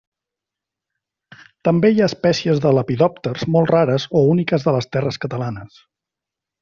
També hi ha espècies de lepidòpters molt rares o úniques de les terres catalanes.